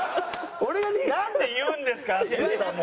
なんで言うんですか淳さんも。